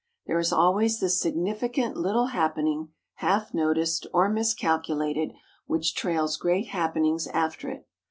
There is always the significant little happening, half noticed or miscalculated, which trails great happenings after it.